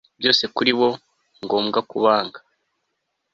byose kuri bo, ngomba kubanga